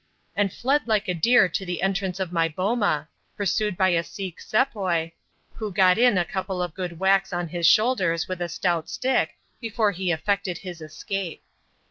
and fled like a deer to the entrance of my boma, pursued by a Sikh sepoy, who got in a couple of good whacks on his shoulders with a stout stick before he effected his escape.